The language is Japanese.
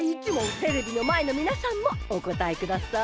テレビのまえのみなさんもおこたえください。